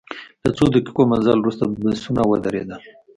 له څو دقیقو مزل وروسته بسونه ودرېدل.